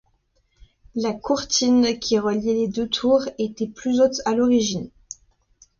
La courtine qui reliait les deux tours était plus haute à l'origine.